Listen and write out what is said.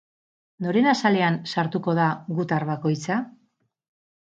Noren azalean sartuko da gutar bakoitza?